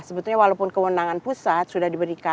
sebetulnya walaupun kewenangan pusat sudah diberikan